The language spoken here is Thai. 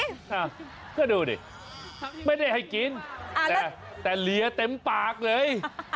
อ่าก็ดูดิไม่ได้ให้กินแต่แต่เหลียเต็มปากเลย